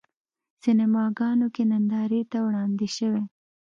سینماګانو کې نندارې ته وړاندې شوی.